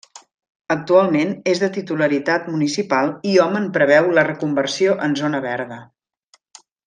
Actualment és de titularitat municipal i hom en preveu la reconversió en zona verda.